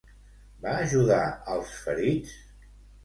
Va ajudar als ferits?